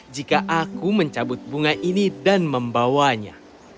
jika aku mencabut bunga ini dan membawanya